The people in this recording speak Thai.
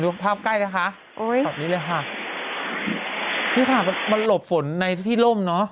ภาพใกล้นะคะโอ้ยแบบนี้เลยค่ะพี่ค่ะมันหลบฝนในที่ล่มเนอะ